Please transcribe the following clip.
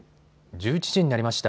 １１時になりました。